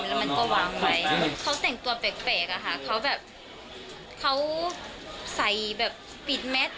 แล้วมันก็วางไว้เขาแต่งตัวแปลกอะค่ะเขาแบบเขาใส่แบบปิดแมท